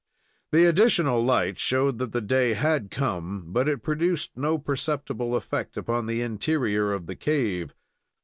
The additional light showed that the day had come, but it produced no perceptible effect upon the interior of the cave.